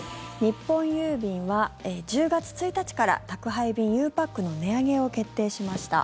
日本郵便は１０月１日から宅配便、ゆうパックの値上げを決定しました。